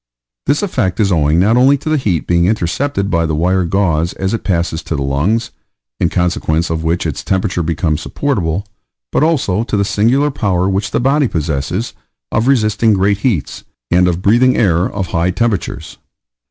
This effect is owing not only to the heat being intercepted by the wire gauze as it passes to the lungs, in consequence of which its temperature becomes supportable, but also to the singular power which the body possesses of resisting great heats, and of breathing air of high temperatures.